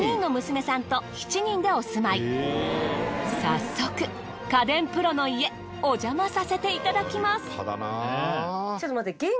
早速家電プロの家おじゃまさせていただきます。